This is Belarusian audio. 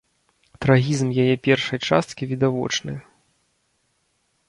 Трагізм яе першай часткі відавочны.